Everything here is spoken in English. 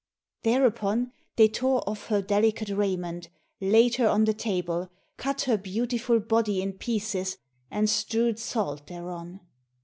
Thereupon they tore off her delicate raiment, laid her on a table, cut her beautiful body in pieces and strewed salt thereon.